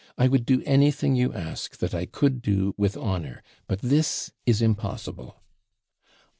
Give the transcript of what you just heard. I would do anything you ask, that I could do with honour; but this is impossible.'